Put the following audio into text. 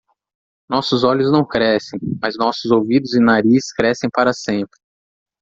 Nossos olhos não crescem?, mas nossos ouvidos e nariz crescem para sempre.